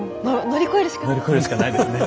乗り越えるしかないですね。